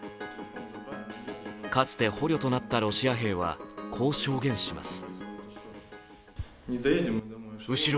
かつて捕虜となったロシア兵はこう証言します。